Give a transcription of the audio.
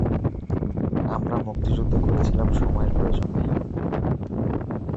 আমরা মুক্তিযুদ্ধ করেছিলাম সময়ের প্রয়োজনে।